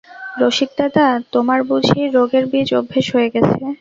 রসিকদাদা, তোমার বুঝি রোগের বীজ অভ্যেস হয়ে গেছে?